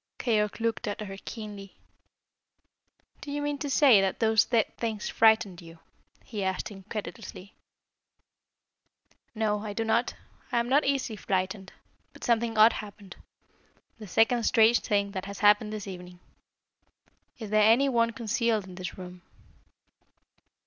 Keyork looked at her keenly. "Do you mean to say that those dead things frightened you?" he asked incredulously. "No; I do not. I am not easily frightened. But something odd happened the second strange thing that has happened this evening. Is there any one concealed in this room?"